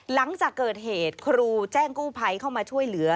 หลังจากเกิดเหตุครูแจ้งกู้ภัยเข้ามาช่วยเหลือ